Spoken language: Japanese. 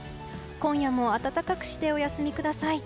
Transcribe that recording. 今夜も暖かくしてお休みください。